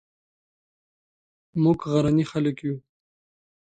موږ غرني خلک یو